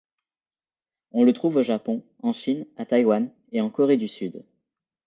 On le trouve au Japon, en Chine, à Taïwan et en Corée du Sud.